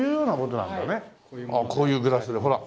こういうグラスでほら。